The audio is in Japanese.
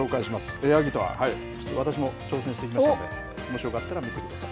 エアギター、ちょっと私も挑戦してきましたので、もしよかったら、見てください。